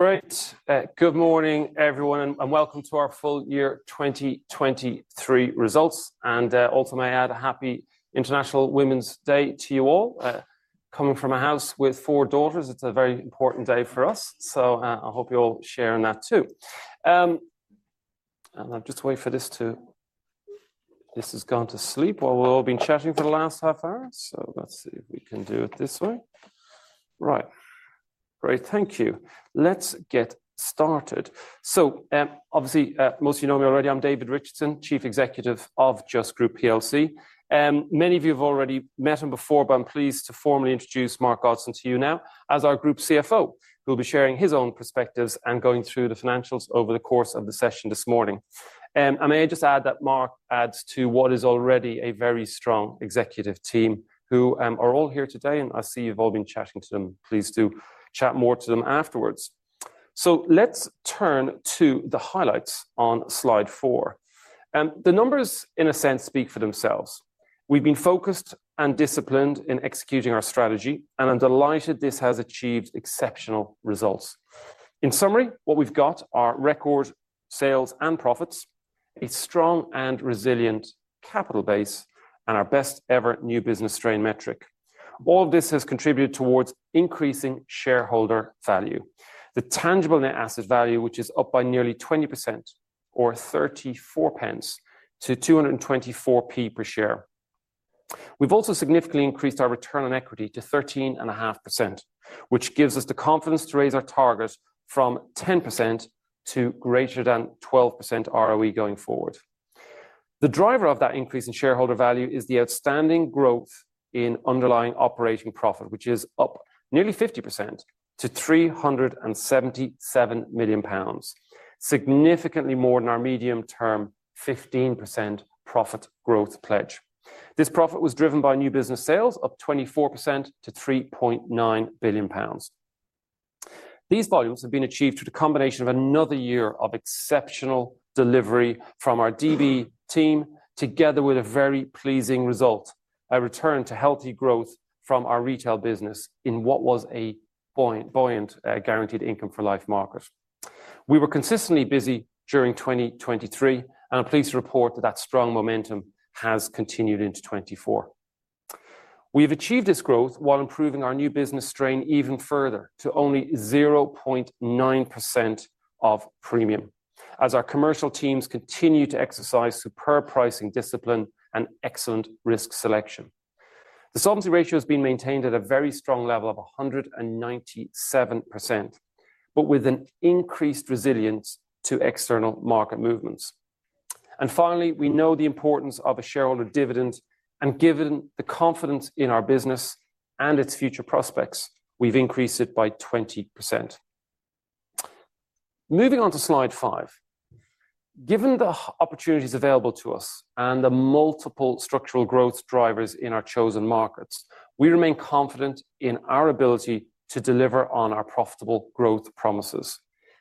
Right, good morning, everyone, and welcome to our full year 2023 results. Also, may I add a happy International Women's Day to you all. Coming from a house with four daughters, it's a very important day for us, so, I hope you'll share in that too. And I'll just wait for this to—this has gone to sleep while we've all been chatting for the last half hour, so let's see if we can do it this way. Right, great, thank you. Let's get started. So, obviously, most of you know me already. I'm David Richardson, Chief Executive of Just Group plc. Many of you have already met him before, but I'm pleased to formally introduce Mark Godson to you now as our Group CFO, who'll be sharing his own perspectives and going through the financials over the course of the session this morning. And may I just add that Mark adds to what is already a very strong executive team who are all here today, and I see you've all been chatting to them. Please do chat more to them afterwards. So let's turn to the highlights on Slide 4. The numbers, in a sense, speak for themselves. We've been focused and disciplined in executing our strategy, and I'm delighted this has achieved exceptional results. In summary, what we've got are record sales and profits, a strong and resilient capital base, and our best-ever new business strain metric. All of this has contributed towards increasing shareholder value, the tangible net asset value which is up by nearly 20%, or 34p, to 224p per share. We've also significantly increased our return on equity to 13.5%, which gives us the confidence to raise our targets from 10% to greater than 12% ROE going forward. The driver of that increase in shareholder value is the outstanding growth in underlying operating profit, which is up nearly 50% to 377 million pounds, significantly more than our medium-term 15% profit growth pledge. This profit was driven by new business sales, up 24% to 3.9 billion pounds. These volumes have been achieved through the combination of another year of exceptional delivery from our DB team together with a very pleasing result, a return to healthy growth from our retail business in what was a buoyant, guaranteed income-for-life market. We were consistently busy during 2023, and I'm pleased to report that that strong momentum has continued into 2024. We have achieved this growth while improving our new business strain even further to only 0.9% of premium as our commercial teams continue to exercise superb pricing discipline and excellent risk selection. The solvency ratio has been maintained at a very strong level of 197%, but with an increased resilience to external market movements. And finally, we know the importance of a shareholder dividend, and given the confidence in our business and its future prospects, we've increased it by 20%. Moving on to slide 5. Given the opportunities available to us and the multiple structural growth drivers in our chosen markets, we remain confident in our ability to deliver on our profitable growth promises.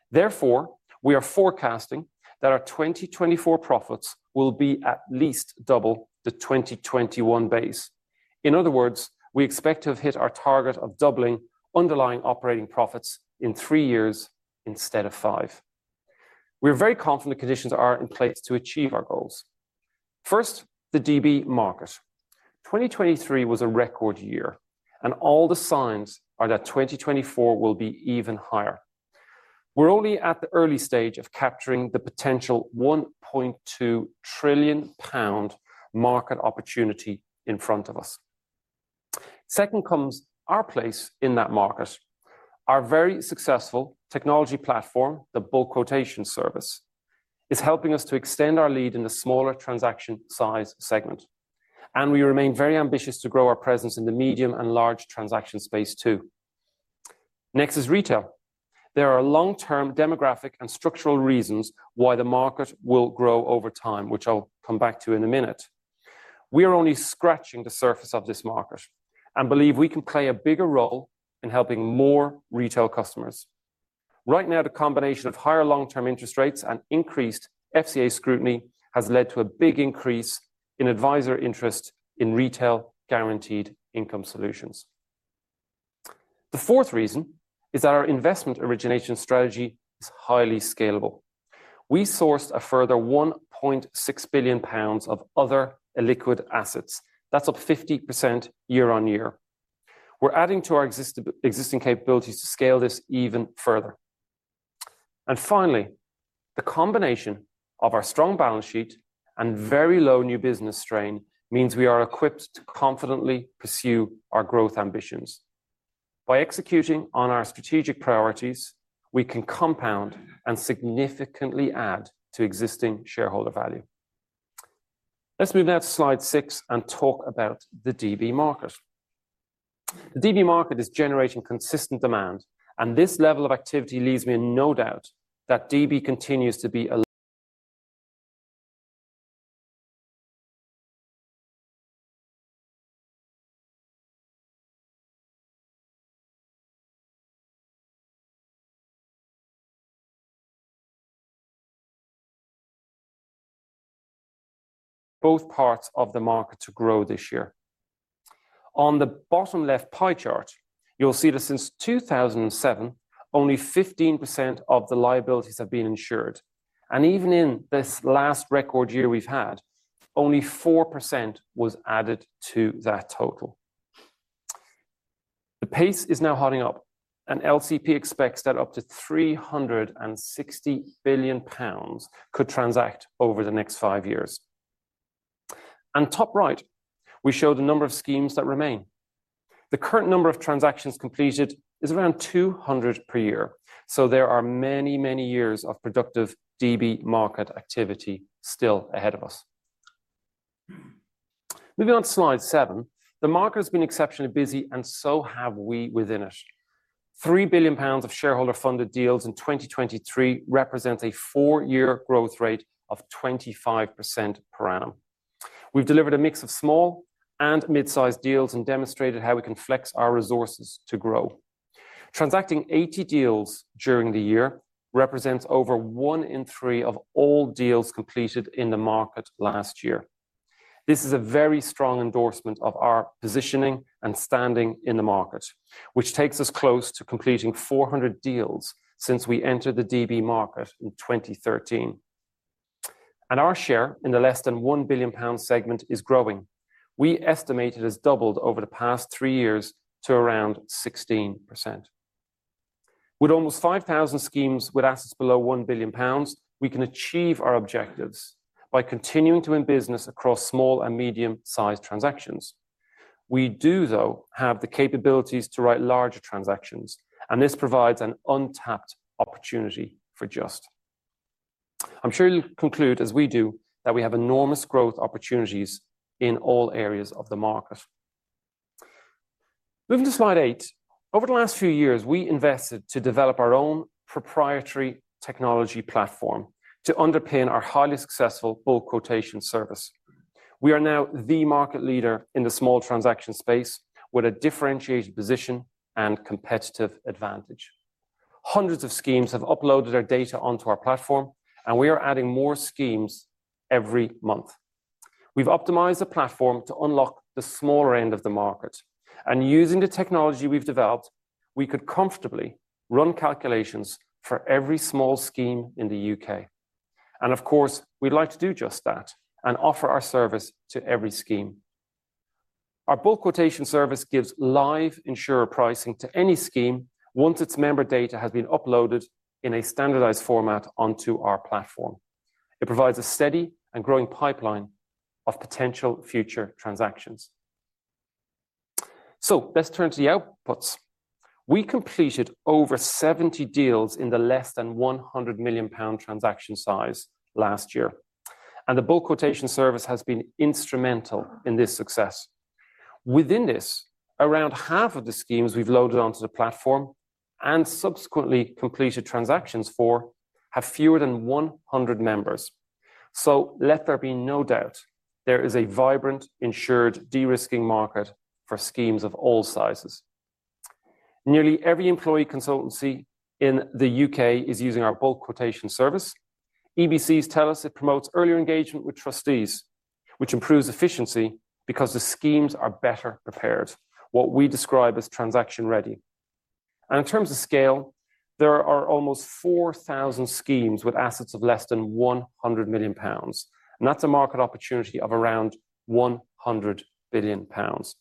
Therefore, we are forecasting that our 2024 profits will be at least double the 2021 base. In other words, we expect to have hit our target of doubling underlying operating profits in three years instead of five. We're very confident the conditions are in place to achieve our goals. First, the DB market. 2023 was a record year, and all the signs are that 2024 will be even higher. We're only at the early stage of capturing the potential 1.2 trillion pound market opportunity in front of us. Second comes our place in that market. Our very successful technology platform, the Bulk Quotation Service, is helping us to extend our lead in the smaller transaction size segment. And we remain very ambitious to grow our presence in the medium and large transaction space too. Next is retail. There are long-term demographic and structural reasons why the market will grow over time, which I'll come back to in a minute. We are only scratching the surface of this market and believe we can play a bigger role in helping more retail customers. Right now, the combination of higher long-term interest rates and increased FCA scrutiny has led to a big increase in advisor interest in retail guaranteed income solutions. The fourth reason is that our investment origination strategy is highly scalable. We sourced a further 1.6 billion pounds of other illiquid assets. That's up 50% year-on-year. We're adding to our existing capabilities to scale this even further. And finally, the combination of our strong balance sheet and very low new business strain means we are equipped to confidently pursue our growth ambitions. By executing on our strategic priorities, we can compound and significantly add to existing shareholder value. Let's move now to slide 6 and talk about the DB market. The DB market is generating consistent demand, and this level of activity leaves me in no doubt that DB continues to be both parts of the market to grow this year. On the bottom left pie chart, you'll see that since 2007, only 15% of the liabilities have been insured. Even in this last record year we've had, only 4% was added to that total. The pace is now heating up, and LCP expects that up to 360 billion pounds could transact over the next five years. Top right, we show the number of schemes that remain. The current number of transactions completed is around 200 per year. There are many, many years of productive DB market activity still ahead of us. Moving on to slide seven. The market has been exceptionally busy, and so have we within it. 3 billion pounds of shareholder-funded deals in 2023 represent a four-year growth rate of 25% per annum. We've delivered a mix of small and mid-sized deals and demonstrated how we can flex our resources to grow. Transacting 80 deals during the year represents over one in three of all deals completed in the market last year. This is a very strong endorsement of our positioning and standing in the market, which takes us close to completing 400 deals since we entered the DB market in 2013. Our share in the less than 1 billion pound segment is growing. We estimate it has doubled over the past three years to around 16%. With almost 5,000 schemes with assets below 1 billion pounds, we can achieve our objectives by continuing to do business across small and medium-sized transactions. We do, though, have the capabilities to write larger transactions, and this provides an untapped opportunity for Just. I'm sure you'll conclude as we do that we have enormous growth opportunities in all areas of the market. Moving to slide 8. Over the last few years, we invested to develop our own proprietary technology platform to underpin our highly successful Bulk Quotation Service. We are now the market leader in the small transaction space with a differentiated position and competitive advantage. Hundreds of schemes have uploaded their data onto our platform, and we are adding more schemes every month. We've optimized the platform to unlock the smaller end of the market. Using the technology we've developed, we could comfortably run calculations for every small scheme in the U.K. Of course, we'd like to do just that and offer our service to every scheme. Our Bulk Quotation Service gives live insurer pricing to any scheme once its member data has been uploaded in a standardized format onto our platform. It provides a steady and growing pipeline of potential future transactions. Let's turn to the outputs. We completed over 70 deals in the less than 100 million pound transaction size last year. The Bulk Quotation Service has been instrumental in this success. Within this, around half of the schemes we've loaded onto the platform and subsequently completed transactions for have fewer than 100 members. Let there be no doubt there is a vibrant insured de-risking market for schemes of all sizes. Nearly every employee consultancy in the U.K. is using our Bulk Quotation Service. EBCs tell us it promotes earlier engagement with trustees, which improves efficiency because the schemes are better prepared, what we describe as transaction ready. In terms of scale, there are almost 4,000 schemes with assets of less than 100 million pounds. That's a market opportunity of around 100 billion pounds.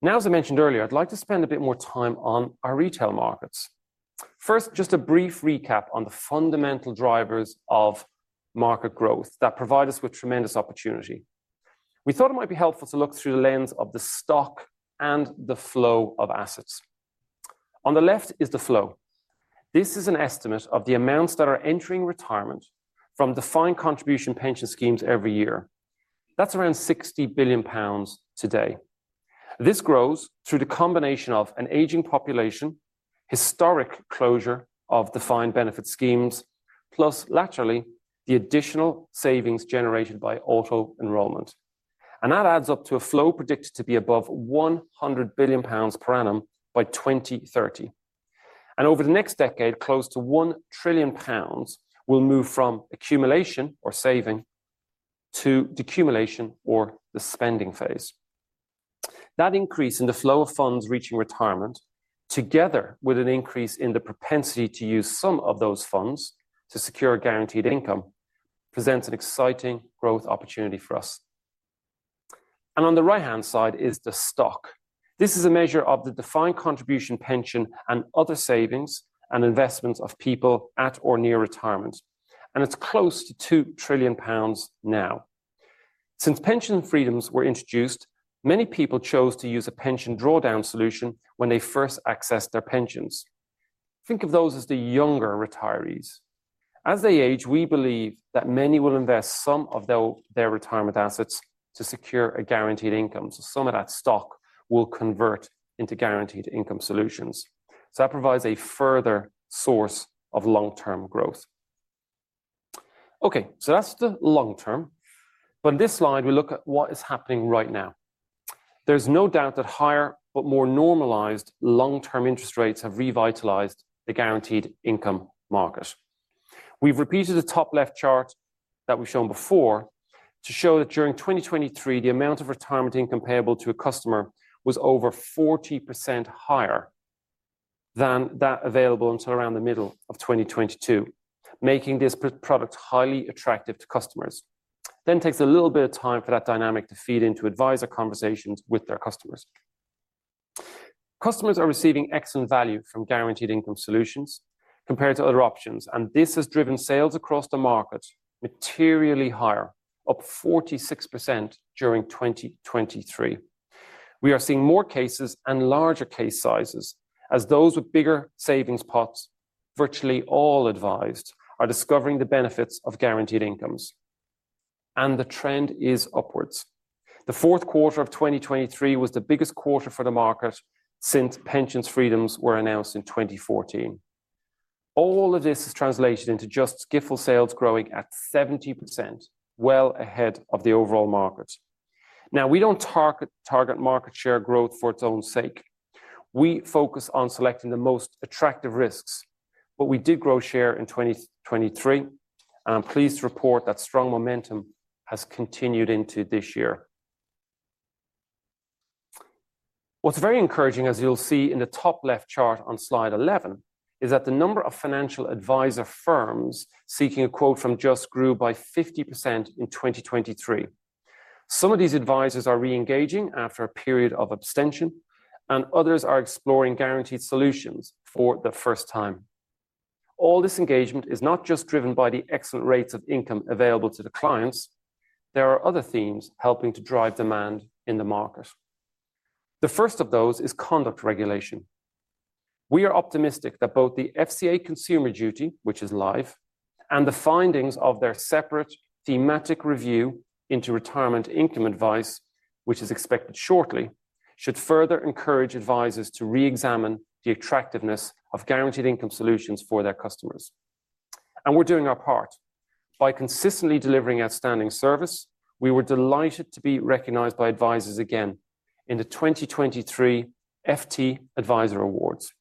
Now, as I mentioned earlier, I'd like to spend a bit more time on our retail markets. First, just a brief recap on the fundamental drivers of market growth that provide us with tremendous opportunity. We thought it might be helpful to look through the lens of the stock and the flow of assets. On the left is the flow. This is an estimate of the amounts that are entering retirement from defined contribution pension schemes every year. That's around 60 billion pounds today. This grows through the combination of an aging population, historic closure of defined benefit schemes, plus latterly the additional savings generated by Auto Enrollment. That adds up to a flow predicted to be above 100 billion pounds per annum by 2030. Over the next decade, close to 1 trillion pounds will move from accumulation or saving to decumulation or the spending phase. That increase in the flow of funds reaching retirement, together with an increase in the propensity to use some of those funds to secure guaranteed income, presents an exciting growth opportunity for us. On the right-hand side is the stock. This is a measure of the defined contribution pension and other savings and investments of people at or near retirement. It's close to 2 trillion pounds now. Since Pension Freedoms were introduced, many people chose to use a pension drawdown solution when they first accessed their pensions. Think of those as the younger retirees. As they age, we believe that many will invest some of their retirement assets to secure a guaranteed income. So some of that stock will convert into guaranteed income solutions. So that provides a further source of long-term growth. Okay. So that's the long term. But on this slide, we look at what is happening right now. There's no doubt that higher but more normalized long-term interest rates have revitalized the guaranteed income market. We've repeated the top left chart that we've shown before to show that during 2023, the amount of retirement income payable to a customer was over 40% higher than that available until around the middle of 2022, making this product highly attractive to customers. Then it takes a little bit of time for that dynamic to feed into advisor conversations with their customers. Customers are receiving excellent value from guaranteed income solutions compared to other options, and this has driven sales across the market materially higher, up 46% during 2023. We are seeing more cases and larger case sizes as those with bigger savings pots, virtually all advised, are discovering the benefits of guaranteed incomes. And the trend is upwards. The fourth quarter of 2023 was the biggest quarter for the market since Pension Freedoms were announced in 2014. All of this has translated into Just's GIFL sales growing at 70%, well ahead of the overall market. Now, we don't target market share growth for its own sake. We focus on selecting the most attractive risks. But we did grow share in 2023, and I'm pleased to report that strong momentum has continued into this year. What's very encouraging, as you'll see in the top left chart on slide 11, is that the number of financial advisor firms seeking a quote from Just grew by 50% in 2023. Some of these advisors are reengaging after a period of abstention, and others are exploring guaranteed solutions for the first time. All this engagement is not just driven by the excellent rates of income available to the clients. There are other themes helping to drive demand in the market. The first of those is conduct regulation. We are optimistic that both the FCA Consumer Duty, which is live, and the findings of their separate Thematic Review into retirement income advice, which is expected shortly, should further encourage advisors to reexamine the attractiveness of guaranteed income solutions for their customers. We're doing our part. By consistently delivering outstanding service, we were delighted to be recognized by advisors again in the 2023 FTAdviser Awards.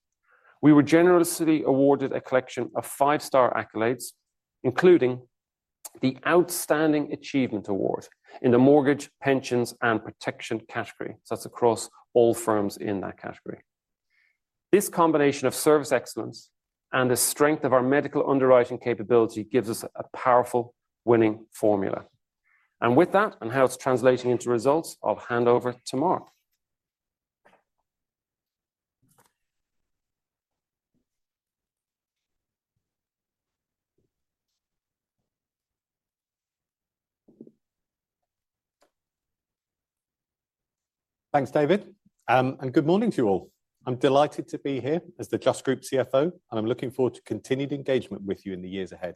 We were generously awarded a collection of five-star accolades, including the Outstanding Achievement Award in the Mortgage, Pensions, and Protection category. That's across all firms in that category. This combination of service excellence and the strength of our medical underwriting capability gives us a powerful winning formula. With that and how it's translating into results, I'll hand over to Mark. Thanks, David. And good morning to you all. I'm delighted to be here as the Just Group CFO, and I'm looking forward to continued engagement with you in the years ahead.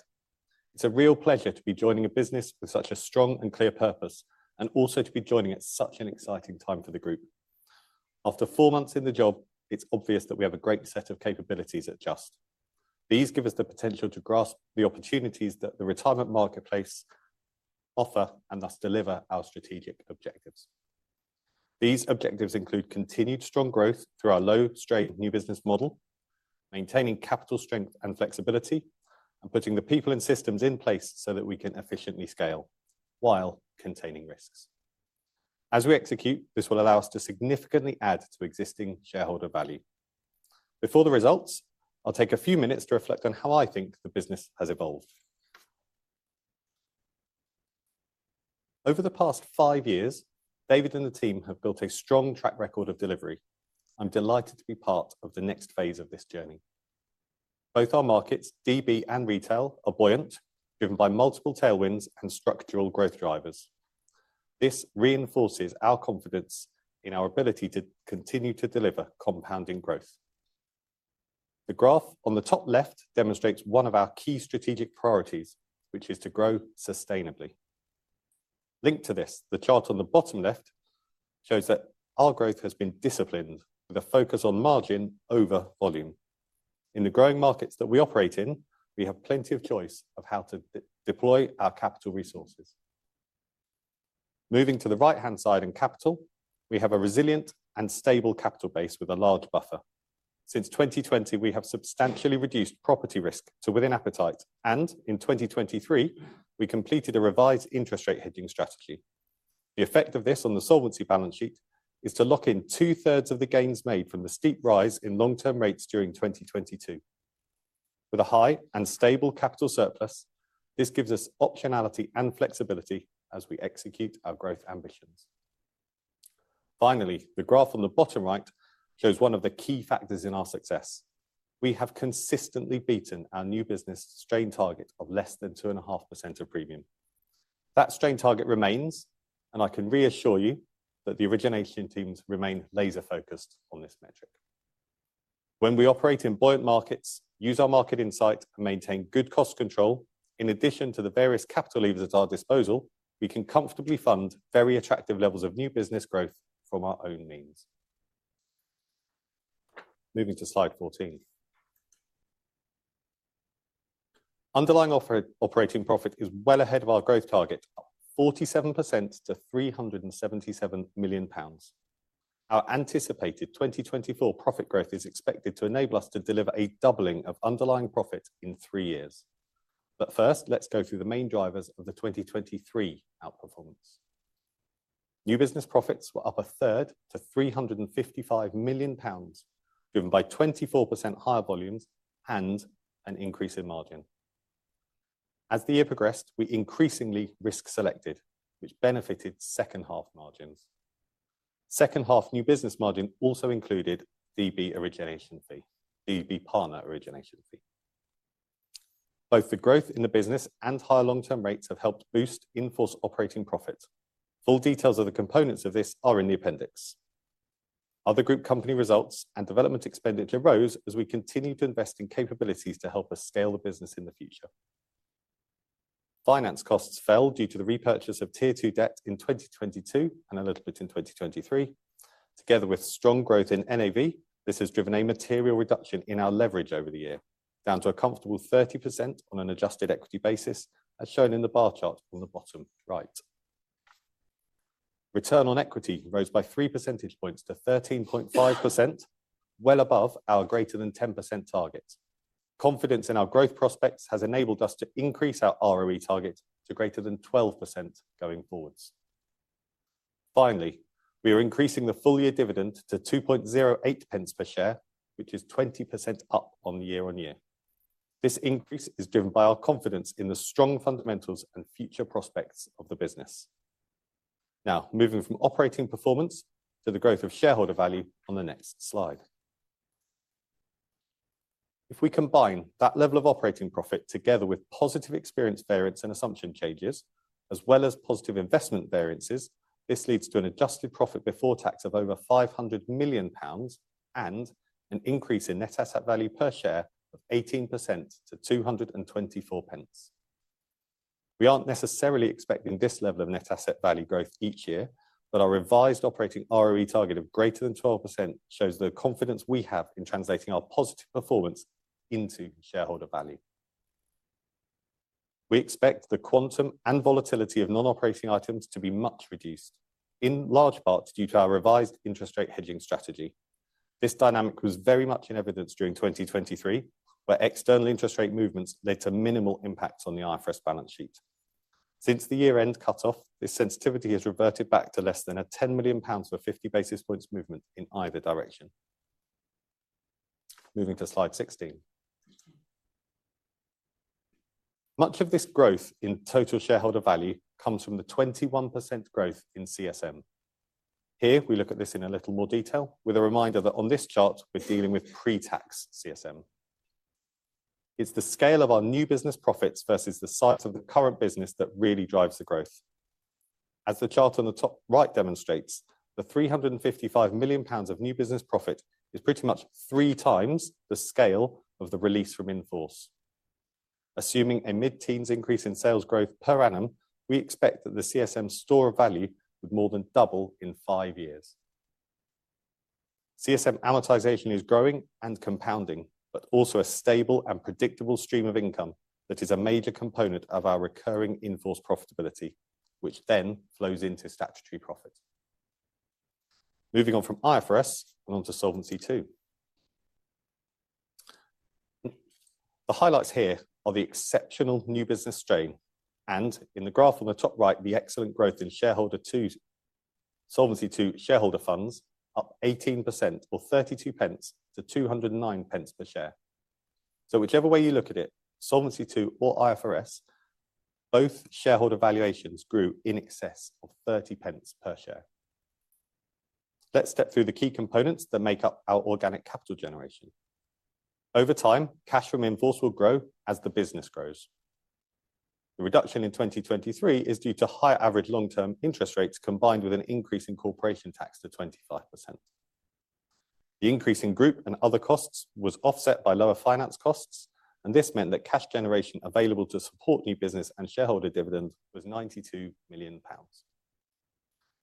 It's a real pleasure to be joining a business with such a strong and clear purpose and also to be joining at such an exciting time for the group. After four months in the job, it's obvious that we have a great set of capabilities at Just. These give us the potential to grasp the opportunities that the retirement marketplace offer and thus deliver our strategic objectives. These objectives include continued strong growth through our low-stake new business model, maintaining capital strength and flexibility, and putting the people and systems in place so that we can efficiently scale while containing risks. As we execute, this will allow us to significantly add to existing shareholder value. Before the results, I'll take a few minutes to reflect on how I think the business has evolved. Over the past five years, David and the team have built a strong track record of delivery. I'm delighted to be part of the next phase of this journey. Both our markets, DB and retail, are buoyant, driven by multiple tailwinds and structural growth drivers. This reinforces our confidence in our ability to continue to deliver compounding growth. The graph on the top left demonstrates one of our key strategic priorities, which is to grow sustainably. Linked to this, the chart on the bottom left shows that our growth has been disciplined with a focus on margin over volume. In the growing markets that we operate in, we have plenty of choice of how to deploy our capital resources. Moving to the right-hand side in capital, we have a resilient and stable capital base with a large buffer. Since 2020, we have substantially reduced property risk to within appetite, and in 2023, we completed a revised interest rate hedging strategy. The effect of this on the solvency balance sheet is to lock in two-thirds of the gains made from the steep rise in long-term rates during 2022. With a high and stable capital surplus, this gives us optionality and flexibility as we execute our growth ambitions. Finally, the graph on the bottom right shows one of the key factors in our success. We have consistently beaten our new business strain target of less than 2.5% of premium. That strain target remains, and I can reassure you that the origination teams remain laser-focused on this metric. When we operate in buoyant markets, use our market insight and maintain good cost control. In addition to the various capital levers at our disposal, we can comfortably fund very attractive levels of new business growth from our own means. Moving to slide 14. Underlying operating profit is well ahead of our growth target, up 47% to 377 million pounds. Our anticipated 2024 profit growth is expected to enable us to deliver a doubling of underlying profit in three years. But first, let's go through the main drivers of the 2023 outperformance. New business profits were up a third to 355 million pounds, driven by 24% higher volumes and an increase in margin. As the year progressed, we increasingly risk selected, which benefited second-half margins. Second-half new business margin also included DB origination fee, DB partner origination fee. Both the growth in the business and higher long-term rates have helped boost enhanced operating profits. Full details of the components of this are in the appendix. Other group company results and development expenditure rose as we continue to invest in capabilities to help us scale the business in the future. Finance costs fell due to the repurchase of Tier 2 Debt in 2022 and a little bit in 2023. Together with strong growth in NAV, this has driven a material reduction in our leverage over the year, down to a comfortable 30% on an adjusted equity basis, as shown in the bar chart on the bottom right. Return on equity rose by three percentage points to 13.5%, well above our greater than 10% target. Confidence in our growth prospects has enabled us to increase our ROE target to greater than 12% going forward. Finally, we are increasing the full year dividend to 2.08 pence per share, which is 20% up year-on-year. This increase is driven by our confidence in the strong fundamentals and future prospects of the business. Now, moving from operating performance to the growth of shareholder value on the next slide. If we combine that level of operating profit together with positive experience variance and assumption changes, as well as positive investment variances, this leads to an adjusted profit before tax of over 500 million pounds and an increase in net asset value per share of 18% to 224 pence. We aren't necessarily expecting this level of net asset value growth each year, but our revised operating ROE target of greater than 12% shows the confidence we have in translating our positive performance into shareholder value. We expect the quantum and volatility of non-operating items to be much reduced, in large part due to our revised interest rate hedging strategy. This dynamic was very much in evidence during 2023, where external interest rate movements led to minimal impacts on the IFRS balance sheet. Since the year-end cutoff, this sensitivity has reverted back to less than a 10 million pounds for 50 basis points movement in either direction. Moving to slide 16. Much of this growth in total shareholder value comes from the 21% growth in CSM. Here, we look at this in a little more detail, with a reminder that on this chart, we're dealing with pre-tax CSM. It's the scale of our new business profits versus the size of the current business that really drives the growth. As the chart on the top right demonstrates, the 355 million pounds of new business profit is pretty much three times the scale of the release from in force. Assuming a mid-teens increase in sales growth per annum, we expect that the CSM store of value would more than double in five years. CSM amortization is growing and compounding, but also a stable and predictable stream of income that is a major component of our recurring in-force profitability, which then flows into statutory profit. Moving on from IFRS and on to Solvency II. The highlights here are the exceptional new business strain, and in the graph on the top right, the excellent growth in Solvency II shareholder funds, up 18% or 32 pence to 209 pence per share. So whichever way you look at it, Solvency II or IFRS, both shareholder valuations grew in excess of 30 pence per share. Let's step through the key components that make up our organic capital generation. Over time, cash from operations will grow as the business grows. The reduction in 2023 is due to higher average long-term interest rates combined with an increase in corporation tax to 25%. The increase in group and other costs was offset by lower finance costs, and this meant that cash generation available to support new business and shareholder dividends was 92 million pounds.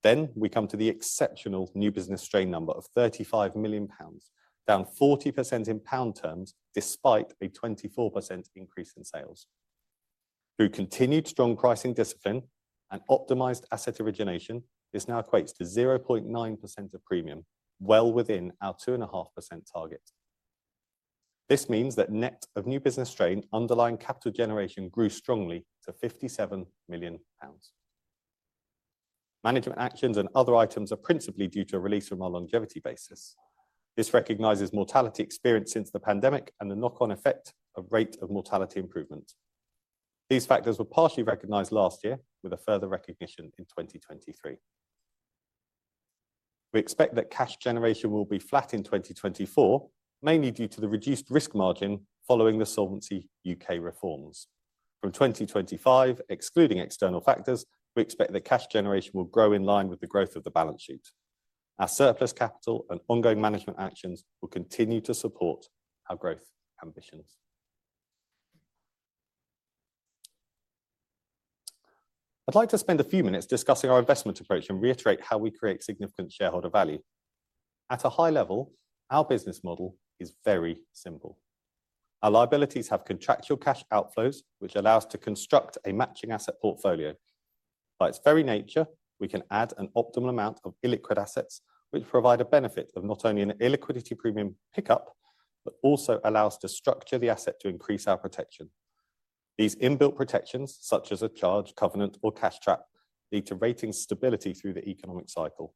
Then we come to the exceptional new business strain number of 35 million pounds, down 40% in pound terms despite a 24% increase in sales. Through continued strong pricing discipline and optimized asset origination, this now equates to 0.9% of premium, well within our 2.5% target. This means that net of new business strain underlying capital generation grew strongly to 57 million pounds. Management actions and other items are principally due to a release from our longevity basis. This recognizes mortality experience since the pandemic and the knock-on effect of rate of mortality improvement. These factors were partially recognized last year, with a further recognition in 2023. We expect that cash generation will be flat in 2024, mainly due to the reduced risk margin following the Solvency UK reforms. From 2025, excluding external factors, we expect that cash generation will grow in line with the growth of the balance sheet. Our surplus capital and ongoing management actions will continue to support our growth ambitions. I'd like to spend a few minutes discussing our investment approach and reiterate how we create significant shareholder value. At a high level, our business model is very simple. Our liabilities have contractual cash outflows, which allows us to construct a matching asset portfolio. By its very nature, we can add an optimal amount of illiquid assets, which provide a benefit of not only an illiquidity premium pickup, but also allows us to structure the asset to increase our protection. These inbuilt protections, such as a charge, covenant, or cash trap, lead to rating stability through the economic cycle,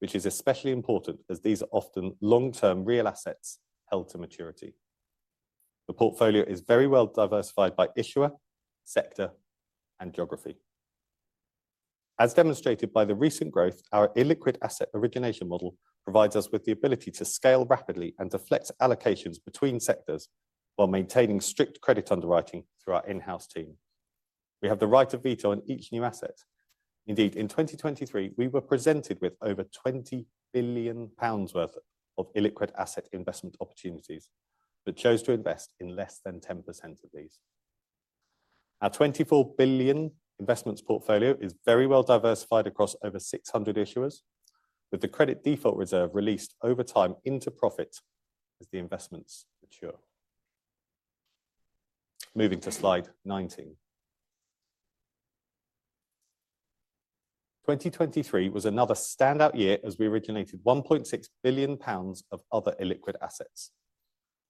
which is especially important as these are often long-term real assets held to maturity. The portfolio is very well diversified by issuer, sector, and geography. As demonstrated by the recent growth, our illiquid asset origination model provides us with the ability to scale rapidly and deflect allocations between sectors while maintaining strict credit underwriting through our in-house team. We have the right of veto on each new asset. Indeed, in 2023, we were presented with over 20 billion pounds worth of illiquid asset investment opportunities, but chose to invest in less than 10% of these. Our 24 billion investments portfolio is very well diversified across over 600 issuers, with the credit default reserve released over time into profit as the investments mature. Moving to slide 19. 2023 was another standout year as we originated 1.6 billion pounds of other illiquid assets.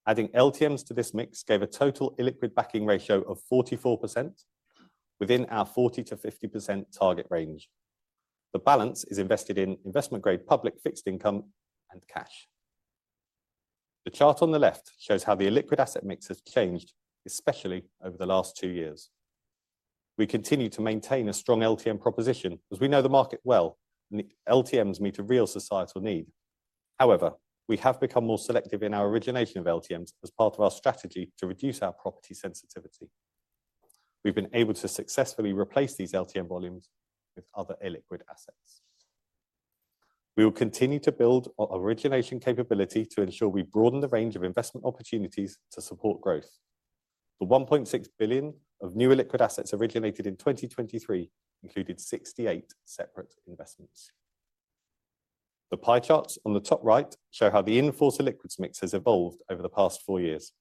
Adding LTMs to this mix gave a total illiquid backing ratio of 44%, within our 40%-50% target range. The balance is invested in investment grade public fixed income and cash. The chart on the left shows how the illiquid asset mix has changed, especially over the last 2 years. We continue to maintain a strong LTM proposition as we know the market well, and the LTMs meet a real societal need. However, we have become more selective in our origination of LTMs as part of our strategy to reduce our property sensitivity. We've been able to successfully replace these LTM volumes with other illiquid assets. We will continue to build our origination capability to ensure we broaden the range of investment opportunities to support growth. The 1.6 billion of new illiquid assets originated in 2023 included 68 separate investments. The pie charts on the top right show how the insurance illiquids mix has evolved over the past four years,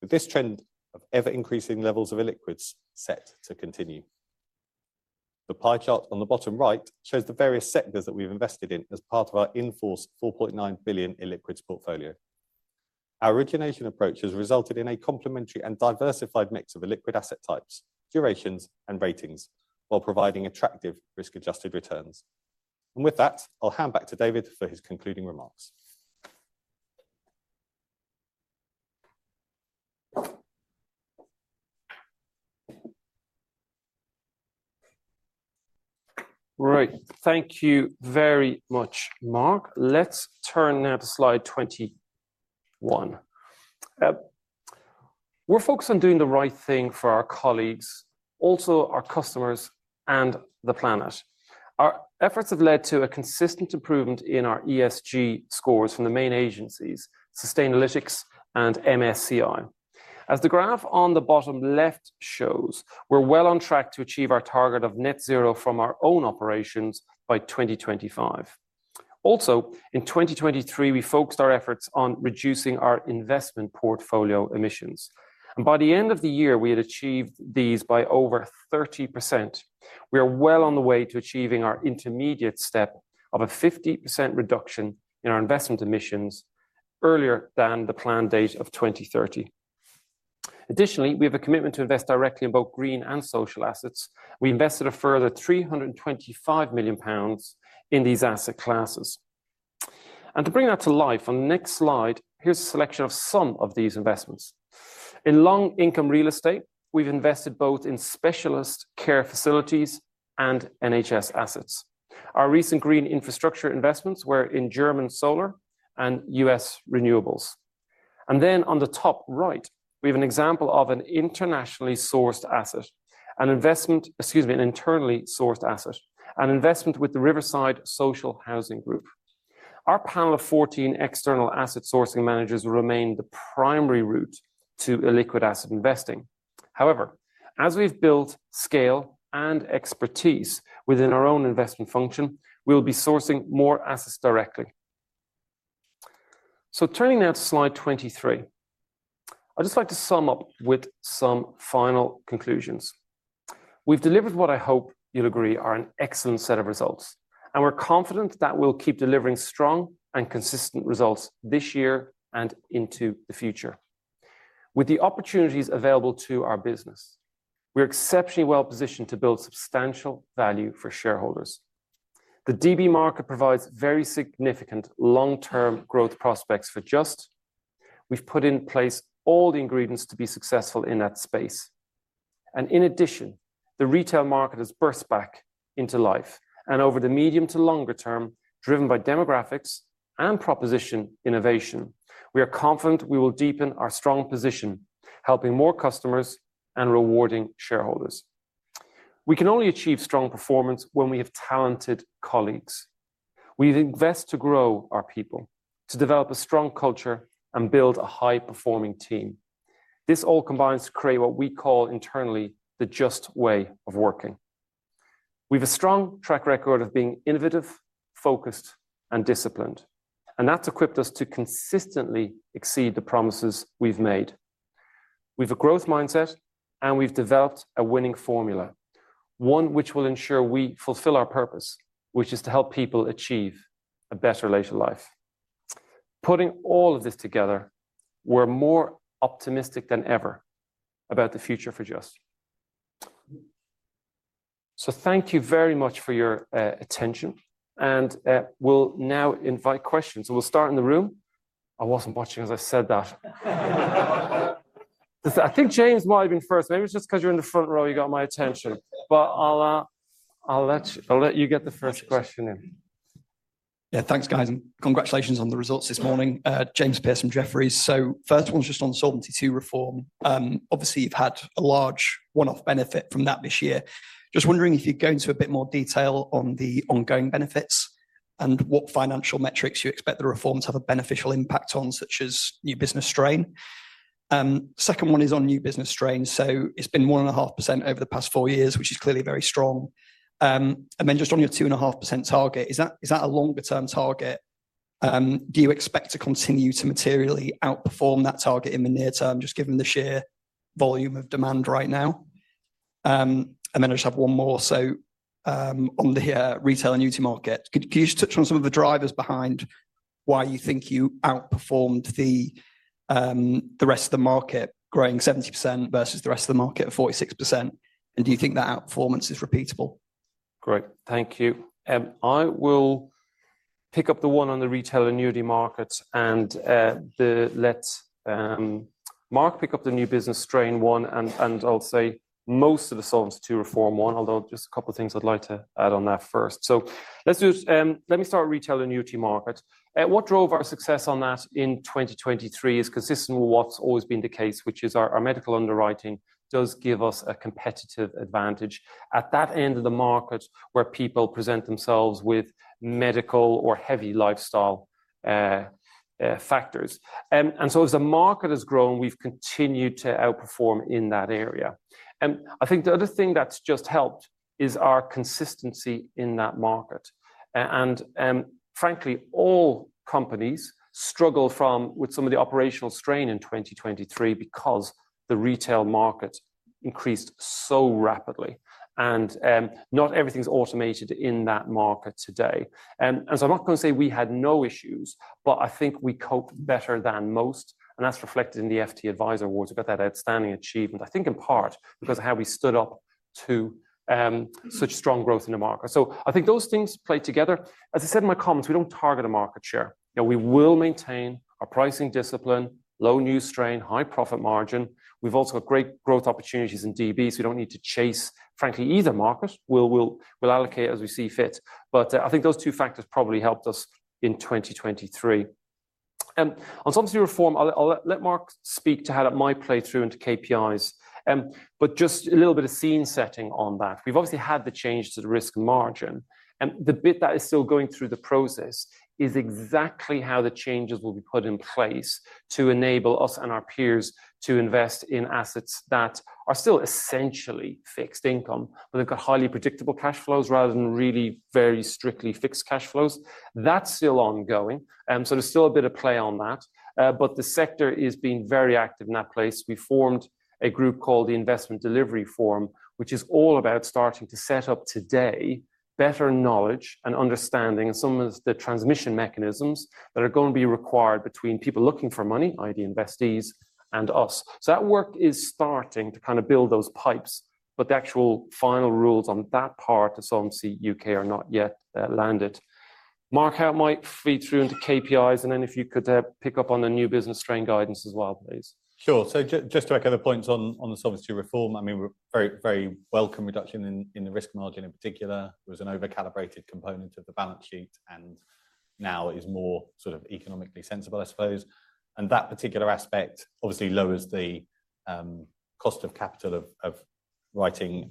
with this trend of ever-increasing levels of illiquids set to continue. The pie chart on the bottom right shows the various sectors that we've invested in as part of our insurance 4.9 billion illiquids portfolio. Our origination approach has resulted in a complementary and diversified mix of illiquid asset types, durations, and ratings, while providing attractive risk-adjusted returns. And with that, I'll hand back to David for his concluding remarks. Great. Thank you very much, Mark. Let's turn now to slide 21. We're focused on doing the right thing for our colleagues, also our customers, and the planet. Our efforts have led to a consistent improvement in our ESG scores from the main agencies, Sustainalytics and MSCI. As the graph on the bottom left shows, we're well on track to achieve our target of net zero from our own operations by 2025. Also, in 2023, we focused our efforts on reducing our investment portfolio emissions. By the end of the year, we had achieved these by over 30%. We are well on the way to achieving our intermediate step of a 50% reduction in our investment emissions earlier than the planned date of 2030. Additionally, we have a commitment to invest directly in both green and social assets. We invested a further 325 million pounds in these asset classes. To bring that to life on the next slide, here's a selection of some of these investments. In long-income real estate, we've invested both in specialist care facilities and NHS assets. Our recent green infrastructure investments were in German solar and U.S. renewables. Then on the top right, we have an example of an internationally sourced asset, an investment, excuse me, an internally sourced asset, an investment with the Riverside Social Housing Group. Our panel of 14 external asset sourcing managers remain the primary route to illiquid asset investing. However, as we've built scale and expertise within our own investment function, we'll be sourcing more assets directly. Turning now to slide 23, I'd just like to sum up with some final conclusions. We've delivered what I hope you'll agree are an excellent set of results, and we're confident that we'll keep delivering strong and consistent results this year and into the future. With the opportunities available to our business, we're exceptionally well positioned to build substantial value for shareholders. The DB market provides very significant long-term growth prospects for Just. We've put in place all the ingredients to be successful in that space. In addition, the retail market has burst back into life, and over the medium to longer term, driven by demographics and proposition innovation, we are confident we will deepen our strong position, helping more customers and rewarding shareholders. We can only achieve strong performance when we have talented colleagues. We've invested to grow our people, to develop a strong culture, and build a high-performing team. This all combines to create what we call internally the Just way of working. We have a strong track record of being innovative, focused, and disciplined, and that's equipped us to consistently exceed the promises we've made. We have a growth mindset, and we've developed a winning formula, one which will ensure we fulfill our purpose, which is to help people achieve a better later life. Putting all of this together, we're more optimistic than ever about the future for Just. So thank you very much for your attention, and we'll now invite questions. So we'll start in the room. I wasn't watching as I said that. I think James might have been first. Maybe it's just because you're in the front row, you got my attention. But I'll let you get the first question in. Yeah, thanks, guys, and congratulations on the results this morning. James Pearce from Jefferies. So first one's just on Solvency II reform. Obviously, you've had a large one-off benefit from that this year. Just wondering if you'd go into a bit more detail on the ongoing benefits and what financial metrics you expect the reforms to have a beneficial impact on, such as new business strain. Second one is on new business strain. So it's been 1.5% over the past 4 years, which is clearly very strong. And then just on your 2.5% target, is that a longer-term target? Do you expect to continue to materially outperform that target in the near term, just given the sheer volume of demand right now? And then I just have one more. On the retail annuity market, could you just touch on some of the drivers behind why you think you outperformed the rest of the market growing 70% versus the rest of the market at 46%? And do you think that outperformance is repeatable? Great. Thank you. I will pick up the one on the retail annuity market and let Mark pick up the new business strain one and I'll say most of the Solvency II reform one, although just a couple of things I'd like to add on that first. So let's do let me start retail annuity market. What drove our success on that in 2023 is consistent with what's always been the case, which is our medical underwriting does give us a competitive advantage at that end of the market where people present themselves with medical or heavy lifestyle factors. And so as the market has grown, we've continued to outperform in that area. And I think the other thing that's just helped is our consistency in that market. Frankly, all companies struggle with some of the operational strain in 2023 because the retail market increased so rapidly and not everything's automated in that market today. So I'm not going to say we had no issues, but I think we coped better than most, and that's reflected in the FT Advisor Awards. We got that outstanding achievement, I think in part because of how we stood up to such strong growth in the market. So I think those things play together. As I said in my comments, we don't target a market share. We will maintain our pricing discipline, low new business strain, high profit margin. We've also got great growth opportunities in DB, so we don't need to chase, frankly, either market. We'll allocate as we see fit. But I think those two factors probably helped us in 2023. On solvency reform, I'll let Mark speak to how that might play through into KPIs, but just a little bit of scene setting on that. We've obviously had the change to the risk margin, and the bit that is still going through the process is exactly how the changes will be put in place to enable us and our peers to invest in assets that are still essentially fixed income, but they've got highly predictable cash flows rather than really very strictly fixed cash flows. That's still ongoing, so there's still a bit of play on that. But the sector is being very active in that place. We formed a group called the Investment Delivery Forum, which is all about starting to set up today better knowledge and understanding and some of the transmission mechanisms that are going to be required between people looking for money, i.e., investees, and us. So that work is starting to kind of build those pipes, but the actual final rules on that part of Solvency UK are not yet landed. Mark, how it might feed through into KPIs, and then if you could pick up on the new business strain guidance as well, please? Sure. So just to echo the points on the solvency reform, I mean, very, very welcome reduction in the risk margin in particular. There was an overcalibrated component of the balance sheet, and now it is more sort of economically sensible, I suppose. And that particular aspect obviously lowers the cost of capital of writing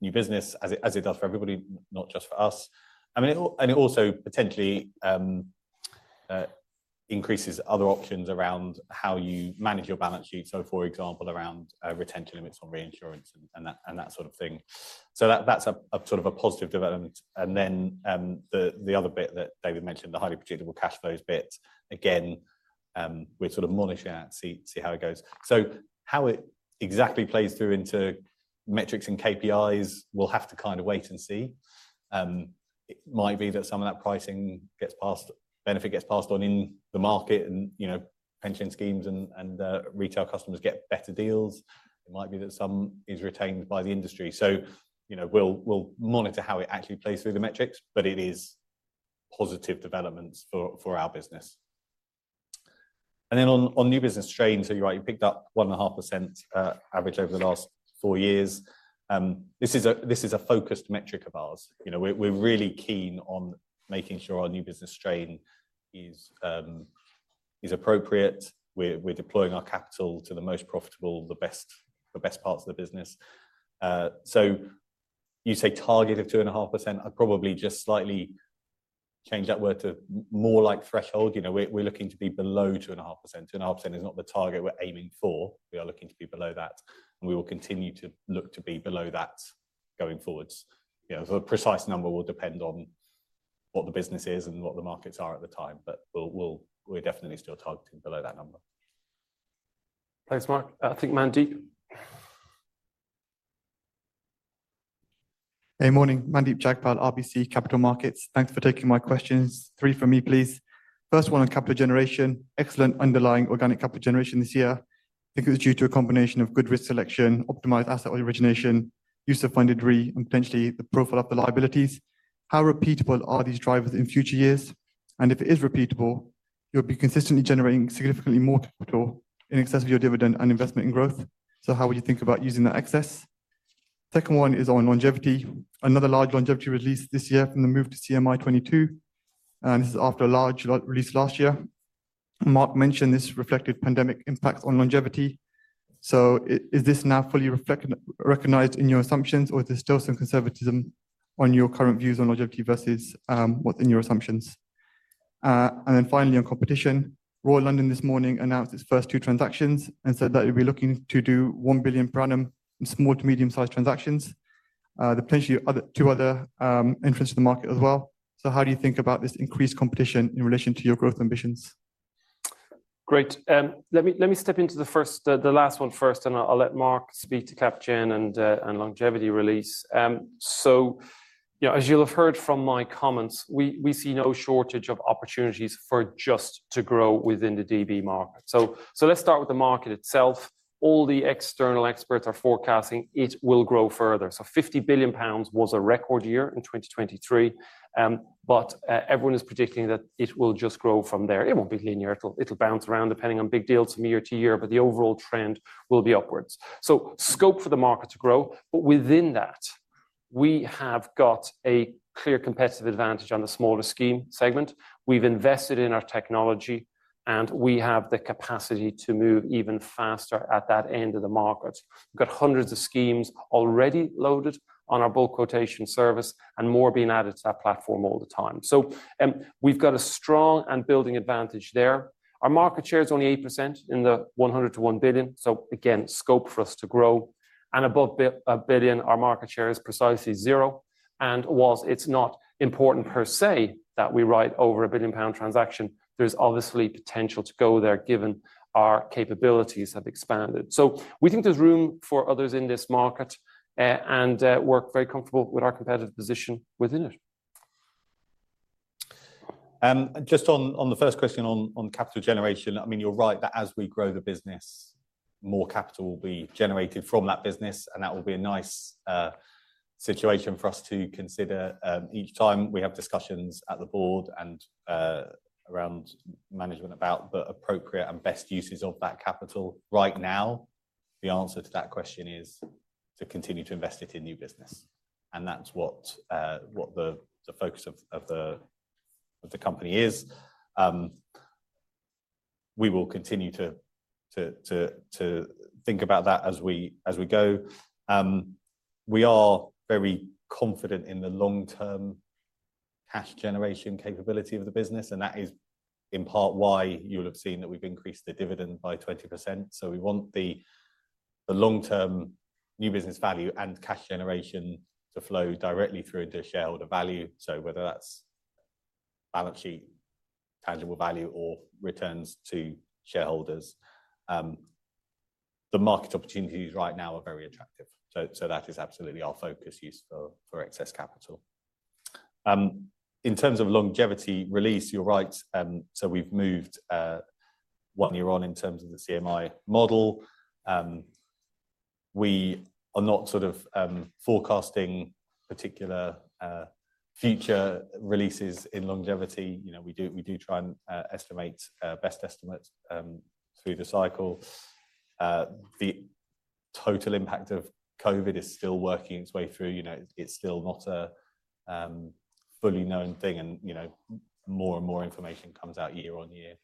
new business as it does for everybody, not just for us. I mean, and it also potentially increases other options around how you manage your balance sheet, so for example, around retention limits on reinsurance and that sort of thing. So that's sort of a positive development. And then the other bit that David mentioned, the highly predictable cash flows bit, again, we're sort of monitoring that to see how it goes. So how it exactly plays through into metrics and KPIs, we'll have to kind of wait and see. It might be that some of that pricing gets passed, benefit gets passed on in the market, and pension schemes and retail customers get better deals. It might be that some is retained by the industry. So we'll monitor how it actually plays through the metrics, but it is positive developments for our business. And then on new business strain, so you're right, you picked up 1.5% average over the last four years. This is a focused metric of ours. We're really keen on making sure our new business strain is appropriate. We're deploying our capital to the most profitable, the best parts of the business. So you say target of 2.5%, I'd probably just slightly change that word to more like threshold. We're looking to be below 2.5%. 2.5% is not the target we're aiming for. We are looking to be below that, and we will continue to look to be below that going forwards. The precise number will depend on what the business is and what the markets are at the time, but we're definitely still targeting below that number. Thanks, Mark. I think Mandeep. Hey, morning. Mandeep Jagpal, RBC Capital Markets. Thanks for taking my questions. Three from me, please. First one on capital generation. Excellent underlying organic capital generation this year. I think it was due to a combination of good risk selection, optimized asset origination, use of Funded Re, and potentially the profile of the liabilities. How repeatable are these drivers in future years? And if it is repeatable, you'll be consistently generating significantly more capital in excess of your dividend and investment in growth. So how would you think about using that excess? Second one is on longevity. Another large longevity release this year from the move to CMI22. And this is after a large release last year. Mark mentioned this reflected pandemic impacts on longevity. So is this now fully recognized in your assumptions, or is there still some conservatism on your current views on longevity versus what's in your assumptions? And then finally, on competition, Royal London this morning announced its first two transactions and said that it'd be looking to do 1 billion per annum in small to medium-sized transactions. There potentially two other entrants to the market as well. So how do you think about this increased competition in relation to your growth ambitions? Great. Let me step into the last one first, and I'll let Mark speak to capital generation and longevity release. So as you'll have heard from my comments, we see no shortage of opportunities for Just to grow within the DB market. So let's start with the market itself. All the external experts are forecasting it will grow further. So 50 billion pounds was a record year in 2023, but everyone is predicting that it will just grow from there. It won't be linear. It'll bounce around depending on big deals from year to year, but the overall trend will be upwards. So scope for the market to grow, but within that, we have got a clear competitive advantage on the smaller scheme segment. We've invested in our technology, and we have the capacity to move even faster at that end of the market. We've got hundreds of schemes already loaded on our Bulk Quotation Service and more being added to that platform all the time. So we've got a strong and building advantage there. Our market share is only 8% in the 100 million to 1 billion. So again, scope for us to grow. And above a billion, our market share is precisely 0. And whilst it's not important per se that we write over a 1 billion pound transaction, there's obviously potential to go there given our capabilities have expanded. So we think there's room for others in this market and we're very comfortable with our competitive position within it. Just on the first question on capital generation, I mean, you're right that as we grow the business, more capital will be generated from that business, and that will be a nice situation for us to consider each time we have discussions at the board and around management about the appropriate and best uses of that capital. Right now, the answer to that question is to continue to invest it in new business. That's what the focus of the company is. We will continue to think about that as we go. We are very confident in the long-term cash generation capability of the business, and that is in part why you'll have seen that we've increased the dividend by 20%. So we want the long-term new business value and cash generation to flow directly through into a shareholder value. So whether that's balance sheet, tangible value, or returns to shareholders, the market opportunities right now are very attractive. So that is absolutely our focus use for excess capital. In terms of longevity release, you're right. So we've moved one year on in terms of the CMI model. We are not sort of forecasting particular future releases in longevity. We do try and estimate best estimates through the cycle. The total impact of COVID is still working its way through. It's still not a fully known thing, and more and more information comes out year on year.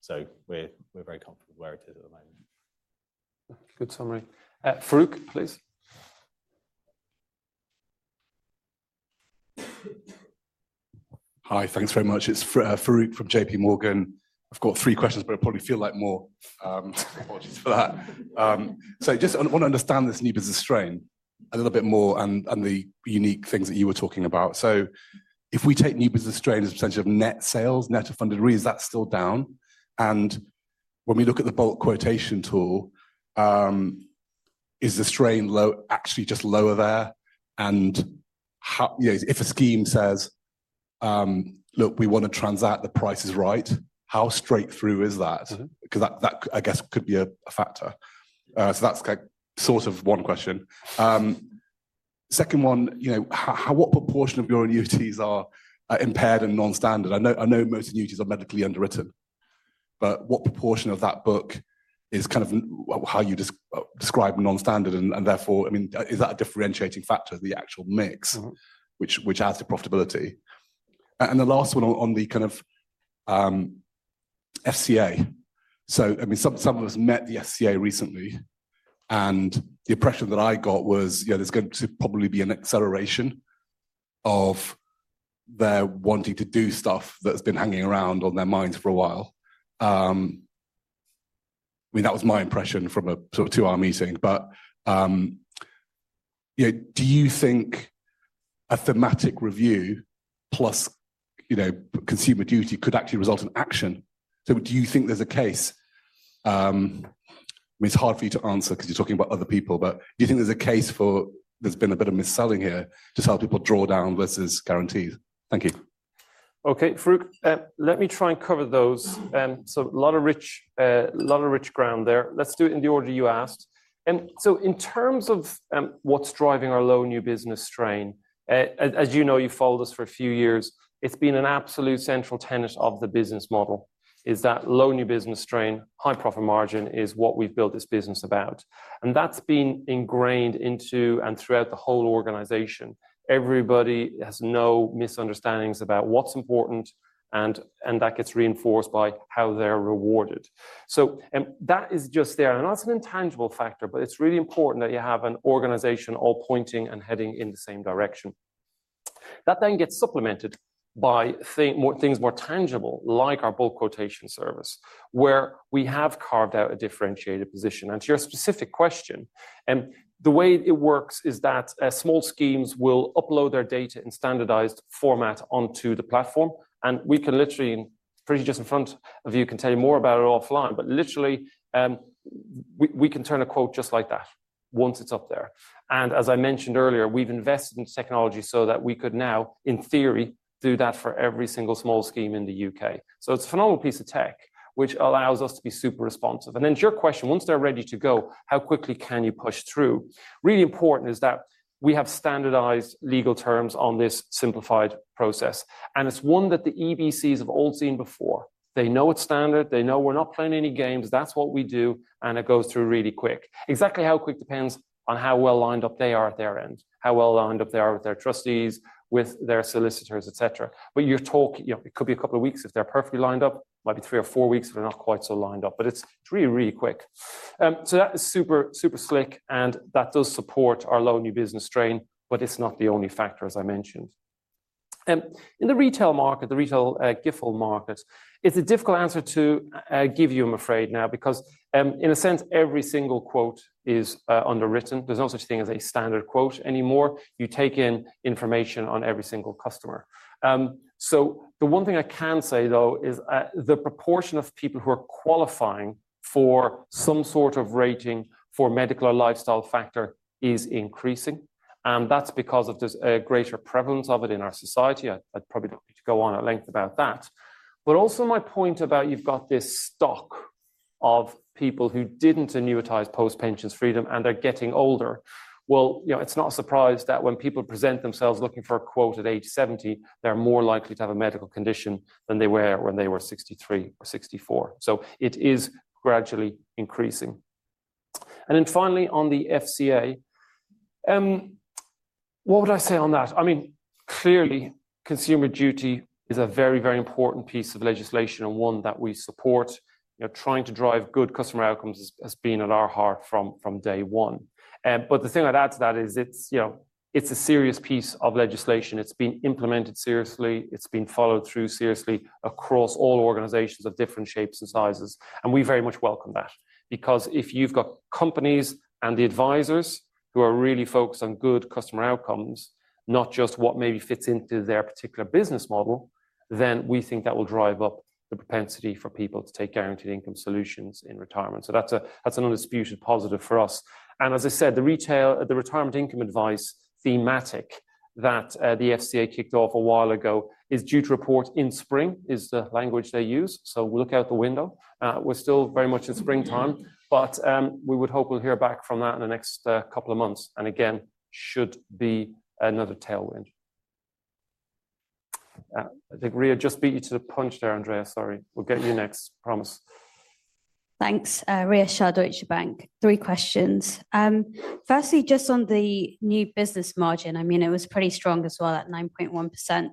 So we're very comfortable where it is at the moment. Good summary. Farooq, please. Hi, thanks very much. It's Farooq from JP Morgan. I've got three questions, but it probably feels like more. Apologies for that. So I just want to understand this new business strain a little bit more and the unique things that you were talking about. So if we take new business strain as a percentage of net sales, net of Funded Re, is that still down? And when we look at the bulk quotation tool, is the strain actually just lower there? And if a scheme says, "Look, we want to transact the price is right," how straight through is that? Because that, I guess, could be a factor. So that's sort of one question. Second one, what proportion of your annuities are impaired and non-standard? I know most annuities are medically underwritten, but what proportion of that book is kind of how you describe non-standard? Therefore, I mean, is that a differentiating factor, the actual mix, which adds to profitability? And the last one on the kind of FCA. So I mean, some of us met the FCA recently, and the impression that I got was there's going to probably be an acceleration of their wanting to do stuff that's been hanging around on their minds for a while. I mean, that was my impression from a sort of two-hour meeting. But do you think a thematic review plus consumer duty could actually result in action? So do you think there's a case? I mean, it's hard for you to answer because you're talking about other people, but do you think there's a case for there's been a bit of mis-selling here to tell people draw down versus guarantees? Thank you. Okay, Farooq, let me try and cover those. So a lot of rich ground there. Let's do it in the order you asked. And so in terms of what's driving our low New Business Strain, as you know, you followed us for a few years, it's been an absolute central tenet of the business model. Is that low New Business Strain, high profit margin is what we've built this business about. And that's been ingrained into and throughout the whole organization. Everybody has no misunderstandings about what's important, and that gets reinforced by how they're rewarded. So that is just there. And that's an intangible factor, but it's really important that you have an organization all pointing and heading in the same direction. That then gets supplemented by things more tangible like our Bulk Quotation Service where we have carved out a differentiated position. To your specific question, the way it works is that small schemes will upload their data in standardized format onto the platform, and we can literally, pretty just in front of you, can tell you more about it offline, but literally we can turn a quote just like that once it's up there. As I mentioned earlier, we've invested in technology so that we could now, in theory, do that for every single small scheme in the UK. It's a phenomenal piece of tech which allows us to be super responsive. Then to your question, once they're ready to go, how quickly can you push through? Really important is that we have standardized legal terms on this simplified process. It's one that the EBCs have all seen before. They know it's standard. They know we're not playing any games. That's what we do, and it goes through really quick. Exactly how quick depends on how well lined up they are at their end, how well lined up they are with their trustees, with their solicitors, etc. But it could be a couple of weeks if they're perfectly lined up, might be three or four weeks if they're not quite so lined up, but it's really, really quick. So that is super, super slick, and that does support our low new business strain, but it's not the only factor, as I mentioned. In the retail market, the retail GIFL market, it's a difficult answer to give you, I'm afraid, now because in a sense, every single quote is underwritten. There's no such thing as a standard quote anymore. You take in information on every single customer. So the one thing I can say, though, is the proportion of people who are qualifying for some sort of rating for medical or lifestyle factor is increasing. And that's because of just a greater prevalence of it in our society. I'd probably need to go on at length about that. But also my point about you've got this stock of people who didn't annuitise post-Pension Freedoms and they're getting older. Well, it's not a surprise that when people present themselves looking for a quote at age 70, they're more likely to have a medical condition than they were when they were 63 or 64. So it is gradually increasing. And then finally, on the FCA, what would I say on that? I mean, clearly, Consumer Duty is a very, very important piece of legislation and one that we support. Trying to drive good customer outcomes has been at our heart from day one. But the thing I'd add to that is it's a serious piece of legislation. It's been implemented seriously. It's been followed through seriously across all organizations of different shapes and sizes. And we very much welcome that because if you've got companies and the advisors who are really focused on good customer outcomes, not just what maybe fits into their particular business model, then we think that will drive up the propensity for people to take guaranteed income solutions in retirement. So that's an undisputed positive for us. And as I said, the retirement income advice thematic that the FCA kicked off a while ago is due to report in spring, is the language they use. So we'll look out the window. We're still very much in springtime, but we would hope we'll hear back from that in the next couple of months. And again, should be another tailwind. I think Rhea just beat you to the punch there, Andreas. Sorry. We'll get you next, promise. Thanks. Rhea Shah, Deutsche Bank. Three questions. Firstly, just on the new business margin, I mean, it was pretty strong as well at 9.1%.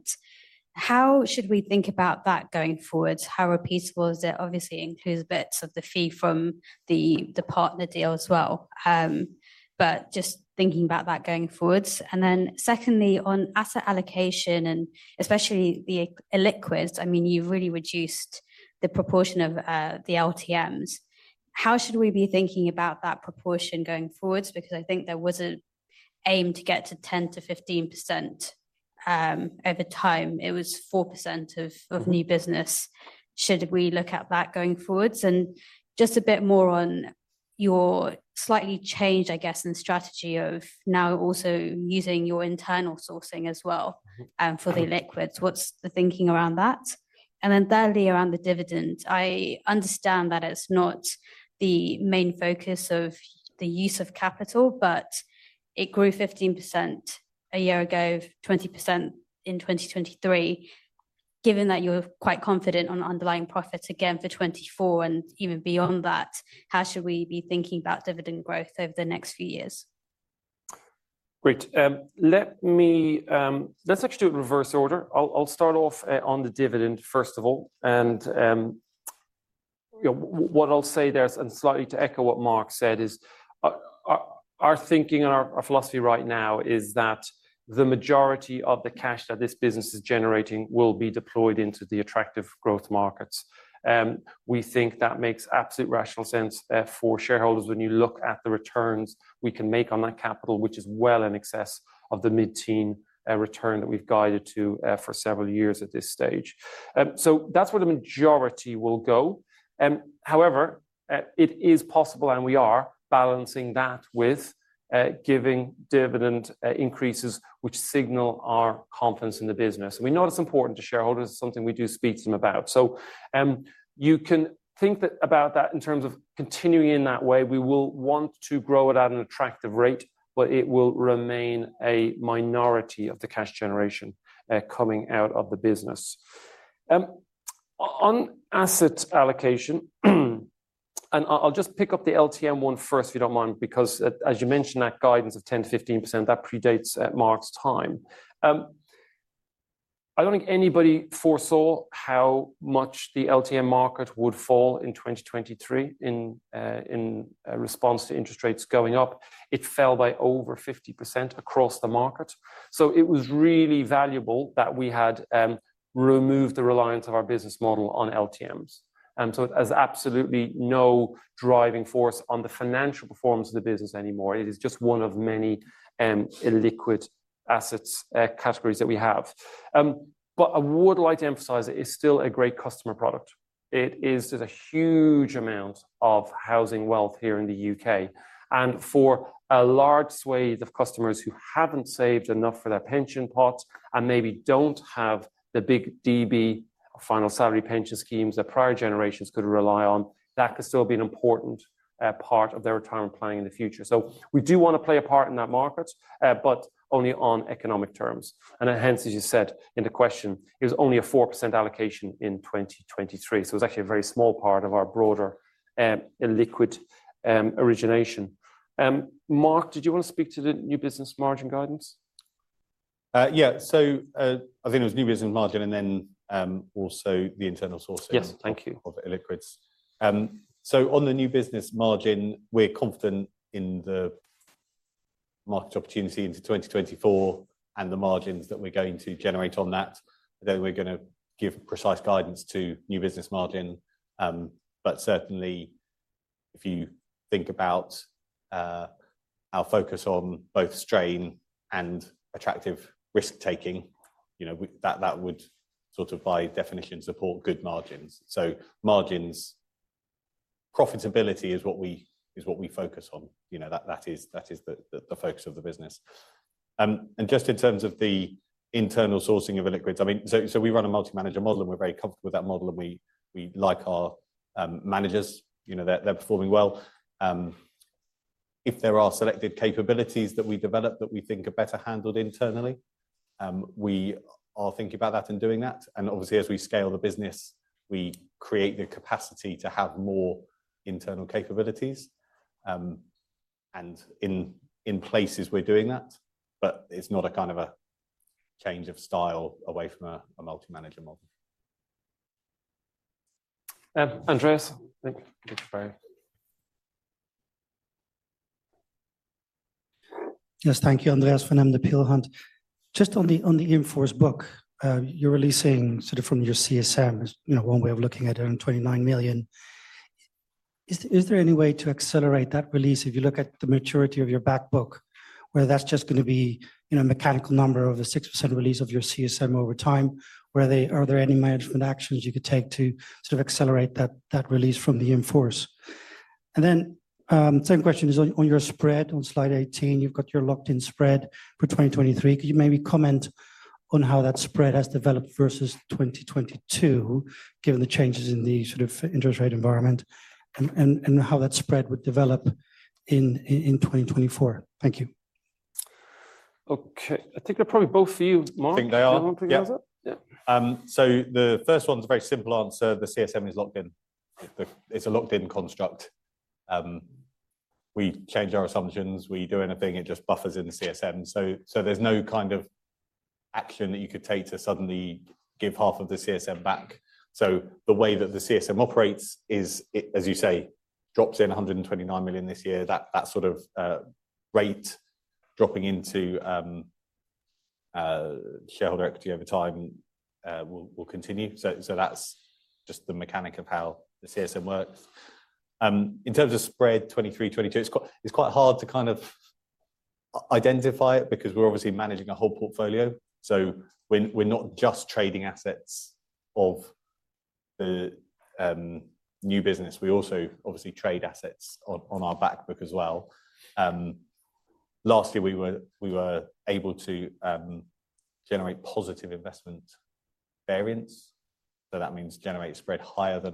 How should we think about that going forward? How repeatable is it? Obviously, it includes bits of the fee from the partner deal as well, but just thinking about that going forward. And then secondly, on asset allocation and especially the illiquids, I mean, you've really reduced the proportion of the LTMs. How should we be thinking about that proportion going forward? Because I think there was an aim to get to 10%-15% over time. It was 4% of new business. Should we look at that going forward? And just a bit more on your slightly changed, I guess, in strategy of now also using your internal sourcing as well for the illiquids. What's the thinking around that? And then thirdly, around the dividend, I understand that it's not the main focus of the use of capital, but it grew 15% a year ago, 20% in 2023. Given that you're quite confident on underlying profits, again, for 2024 and even beyond that, how should we be thinking about dividend growth over the next few years? Great. Let's actually do it in reverse order. I'll start off on the dividend, first of all. And what I'll say there, and slightly to echo what Mark said, is our thinking and our philosophy right now is that the majority of the cash that this business is generating will be deployed into the attractive growth markets. We think that makes absolute rational sense for shareholders when you look at the returns we can make on that capital, which is well in excess of the mid-teen return that we've guided to for several years at this stage. So that's where the majority will go. However, it is possible, and we are, balancing that with giving dividend increases which signal our confidence in the business. And we know that's important to shareholders. It's something we do speak to them about. So you can think about that in terms of continuing in that way. We will want to grow it at an attractive rate, but it will remain a minority of the cash generation coming out of the business. On asset allocation, and I'll just pick up the LTM one first, if you don't mind, because as you mentioned, that guidance of 10%-15%, that predates Mark's time. I don't think anybody foresaw how much the LTM market would fall in 2023 in response to interest rates going up. It fell by over 50% across the market. So it was really valuable that we had removed the reliance of our business model on LTMs. So it has absolutely no driving force on the financial performance of the business anymore. It is just one of many illiquid assets categories that we have. But I would like to emphasize it is still a great customer product. There's a huge amount of housing wealth here in the U.K. And for a large swath of customers who haven't saved enough for their pension pots and maybe don't have the big DB, final salary pension schemes that prior generations could rely on, that could still be an important part of their retirement planning in the future. So we do want to play a part in that market, but only on economic terms. And hence, as you said in the question, it was only a 4% allocation in 2023. So it was actually a very small part of our broader illiquid origination. Mark, did you want to speak to the new business margin guidance? Yeah. So I think it was new business margin and then also the internal sourcing of illiquids. So on the new business margin, we're confident in the market opportunity into 2024 and the margins that we're going to generate on that. I don't think we're going to give precise guidance to new business margin. But certainly, if you think about our focus on both strain and attractive risk-taking, that would sort of by definition support good margins. So profitability is what we focus on. That is the focus of the business. And just in terms of the internal sourcing of illiquids, I mean, so we run a multi-manager model, and we're very comfortable with that model, and we like our managers. They're performing well. If there are selected capabilities that we develop that we think are better handled internally, we are thinking about that and doing that. Obviously, as we scale the business, we create the capacity to have more internal capabilities. In places, we're doing that, but it's not a kind of a change of style away from a multi-manager model. Andreas, thank you. Yes, thank you, Andreas, from Peel Hunt. Just on the in-force book, you're releasing sort of from your CSM as one way of looking at it on 29 million. Is there any way to accelerate that release if you look at the maturity of your backbook where that's just going to be a mechanical number of a 6% release of your CSM over time? Are there any management actions you could take to sort of accelerate that release from the in-force? And then same question is on your spread. On slide 18, you've got your locked-in spread for 2023. Could you maybe comment on how that spread has developed versus 2022, given the changes in the sort of interest rate environment and how that spread would develop in 2024? Thank you. Okay. I think they're probably both for you, Mark. I think they are. Do you want to pick it up? Yeah. So the first one's a very simple answer. The CSM is locked-in. It's a locked-in construct. We change our assumptions. We do anything, it just buffers in the CSM. So there's no kind of action that you could take to suddenly give half of the CSM back. So the way that the CSM operates is, as you say, drops in 129 million this year. That sort of rate dropping into shareholder equity over time will continue. So that's just the mechanic of how the CSM works. In terms of spread 2023, 2022, it's quite hard to kind of identify it because we're obviously managing a whole portfolio. So we're not just trading assets of the new business. We also obviously trade assets on our backbook as well. Last year, we were able to generate positive investment variance. So that means generate spread higher than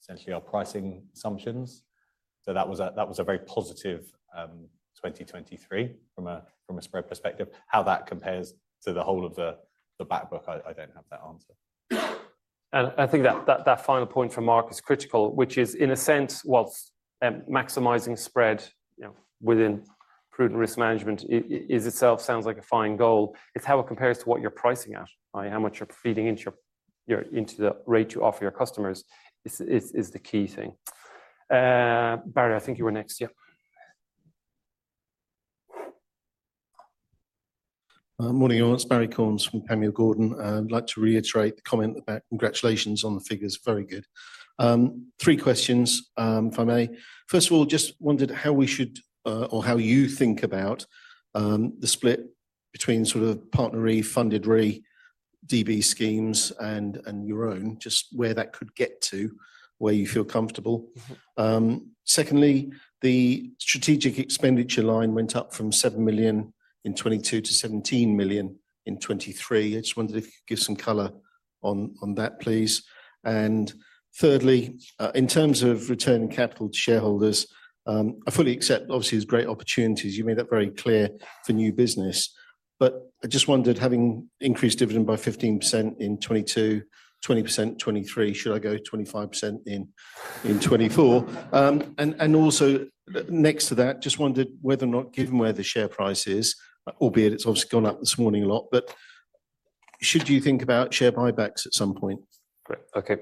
essentially our pricing assumptions. So that was a very positive 2023 from a spread perspective. How that compares to the whole of the backbook, I don't have that answer. I think that final point from Mark is critical, which is in a sense, while maximizing spread within prudent risk management, it itself sounds like a fine goal. It's how it compares to what you're pricing at, how much you're feeding into the rate you offer your customers is the key thing. Barry, I think you were next. Yeah. Morning, you all. It's Barrie Cornes from Panmure Gordon. I'd like to reiterate the comment about congratulations on the figures. Very good. Three questions, if I may. First of all, just wondered how we should or how you think about the split between sort of PartnerRe, Funded Re, DB schemes and your own, just where that could get to, where you feel comfortable. Secondly, the strategic expenditure line went up from 7 million in 2022 to 17 million in 2023. I just wondered if you could give some color on that, please. And thirdly, in terms of returning capital to shareholders, I fully accept, obviously, there's great opportunities. You made that very clear for new business. But I just wondered, having increased dividend by 15% in 2022, 20% in 2023, should I go 25% in 2024? And also next to that, just wondered whether or not, given where the share price is, albeit it's obviously gone up this morning a lot, but should you think about share buybacks at some point? Great. Okay.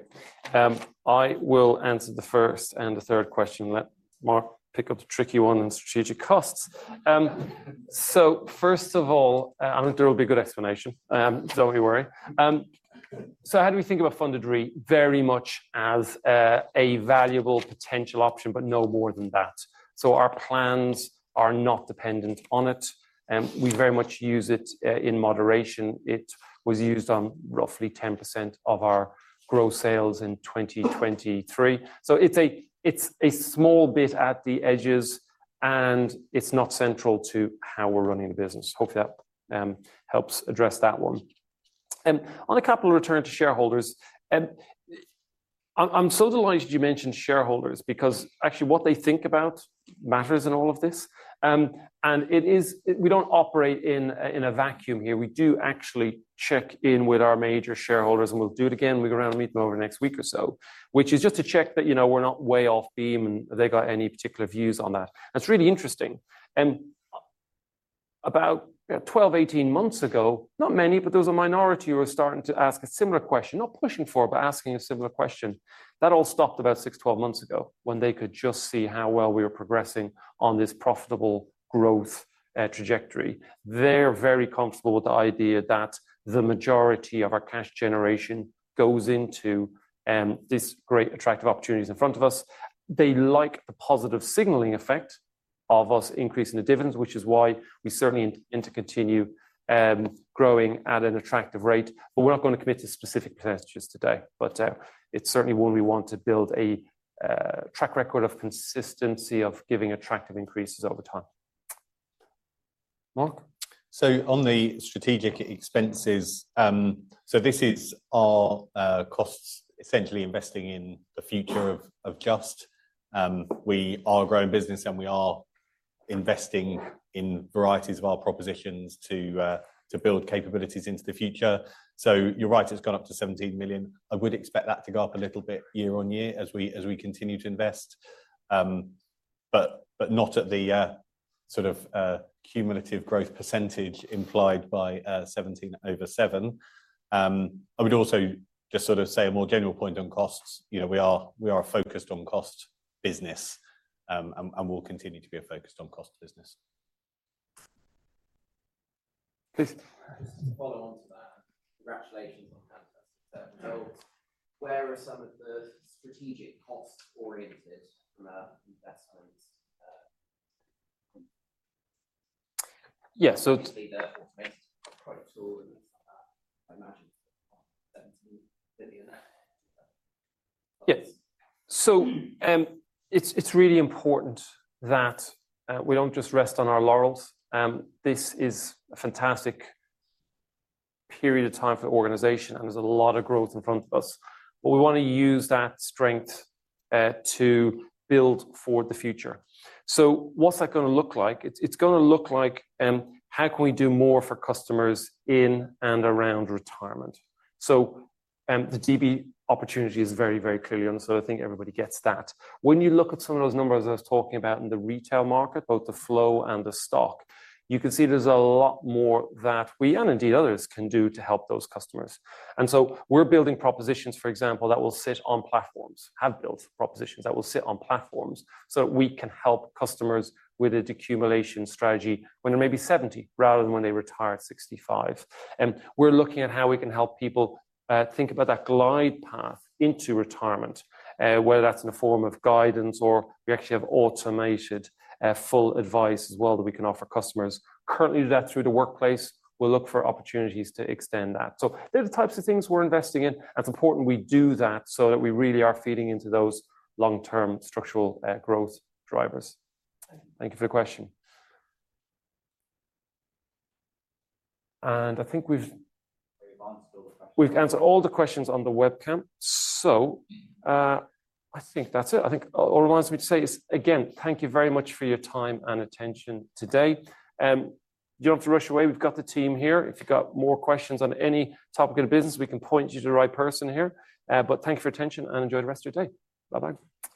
I will answer the first and the third question. Let Mark pick up the tricky one on strategic costs. So first of all, I think there will be a good explanation. Don't be worried. So how do we think about Funded Re? Very much as a valuable potential option, but no more than that. So our plans are not dependent on it. We very much use it in moderation. It was used on roughly 10% of our gross sales in 2023. So it's a small bit at the edges, and it's not central to how we're running the business. Hopefully, that helps address that one. On a capital return to shareholders, I'm so delighted you mentioned shareholders because actually what they think about matters in all of this. And we don't operate in a vacuum here. We do actually check in with our major shareholders, and we'll do it again. We'll go around and meet them over the next week or so, which is just to check that we're not way off beam and they got any particular views on that. It's really interesting. About 12-18 months ago, not many, but there was a minority who were starting to ask a similar question, not pushing for it, but asking a similar question. That all stopped about 6-12 months ago when they could just see how well we were progressing on this profitable growth trajectory. They're very comfortable with the idea that the majority of our cash generation goes into these great attractive opportunities in front of us. They like the positive signaling effect of us increasing the dividends, which is why we certainly intend to continue growing at an attractive rate. But we're not going to commit to specific percentages today. But it certainly will be what we want to build a track record of consistency of giving attractive increases over time. Mark? So on the strategic expenses, so this is our costs, essentially investing in the future of Just. We are a growing business, and we are investing in varieties of our propositions to build capabilities into the future. So you're right, it's gone up to 17 million. I would expect that to go up a little bit year-over-year as we continue to invest, but not at the sort of cumulative growth percentage implied by 17 over 7. I would also just sort of say a more general point on costs. We are a focused-on-cost business, and we'll continue to be a focused-on-cost business. Please. Just to follow on to that, congratulations on the fantastic result. Where are some of the strategic costs originated from our investments? Yeah. So. Obviously, the automated product tool and things like that, I imagine, are GBP 17 billion. Yes. So it's really important that we don't just rest on our laurels. This is a fantastic period of time for the organization, and there's a lot of growth in front of us. But we want to use that strength to build for the future. So what's that going to look like? It's going to look like, how can we do more for customers in and around retirement? So the DB opportunity is very, very clearly on the side. I think everybody gets that. When you look at some of those numbers I was talking about in the retail market, both the flow and the stock, you can see there's a lot more that we, and indeed others, can do to help those customers. And so we're building propositions, for example, that will sit on platforms, have built propositions that will sit on platforms so that we can help customers with a decumulation strategy when they're maybe 70 rather than when they retire at 65. And we're looking at how we can help people think about that glide path into retirement, whether that's in the form of guidance or we actually have automated full advice as well that we can offer customers. Currently, do that through the workplace. We'll look for opportunities to extend that. So they're the types of things we're investing in. And it's important we do that so that we really are feeding into those long-term structural growth drivers. Thank you for the question. And I think we've. Are you on still? The question. We've answered all the questions on the webcam. So I think that's it. I think all it reminds me to say is, again, thank you very much for your time and attention today. You don't have to rush away. We've got the team here. If you've got more questions on any topic of business, we can point you to the right person here. But thank you for your attention and enjoy the rest of your day. Bye-bye.